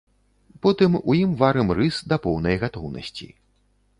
Потым у ім варым рыс да поўнай гатоўнасці.